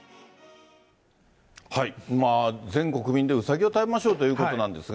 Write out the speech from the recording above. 全国民でうさぎを食べましょうということなんですが。